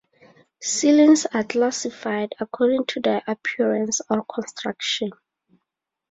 Ceilings are classified according to their appearance or construction.